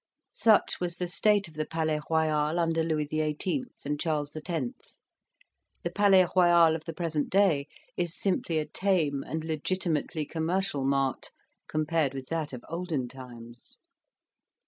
Such was the state of the Palais Royal under Louis XVIII. and Charles X.: the Palais Royal of the present day is simply a tame and legitimately commercial mart, compared with that of olden times.